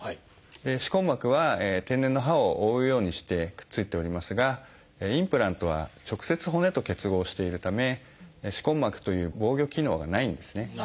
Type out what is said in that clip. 歯根膜は天然の歯を覆うようにしてくっついておりますがインプラントは直接骨と結合しているため歯根膜という防御機能がないんですね。